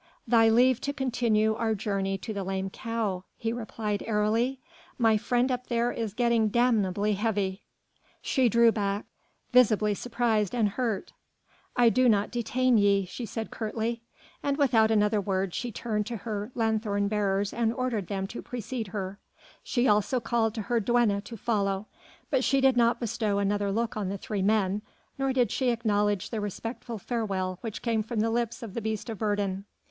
"Thy leave to continue our journey to the 'Lame Cow,'" he replied airily; "my friend up there is getting damnably heavy." She drew back, visibly surprised and hurt. "I do not detain ye," she said curtly, and without another word she turned to her lanthorn bearers and ordered them to precede her; she also called to her duenna to follow; but she did not bestow another look on the three men, nor did she acknowledge the respectful farewell which came from the lips of the beast of burden.